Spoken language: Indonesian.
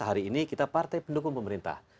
hari ini kita partai pendukung pemerintah